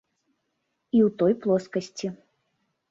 І ў той плоскасці.